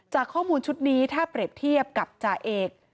จากข้อมูลชุดนี้ถ้าเปรียบเทียบกับจ่าเอก